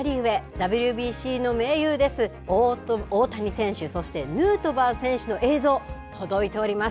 ＷＢＣのめいゆうです、大谷選手、そしてヌートバー選手の映像、届いております。